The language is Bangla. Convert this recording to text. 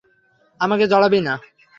আমাকে জড়াবি না।